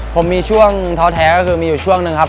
ผมมีช่วงท้อแท้ก็คือมีอยู่ช่วงหนึ่งครับ